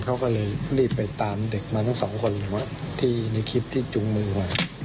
เขาก็เลยรีบไปตามเด็กมาทั้งสองคนหรือว่าที่ในคลิปที่จุงมือไว้